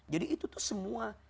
jadi itu tuh semua